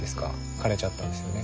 枯れちゃったんですよね。